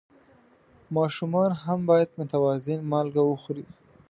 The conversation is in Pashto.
ماشومان هم باید متوازن مالګه وخوري.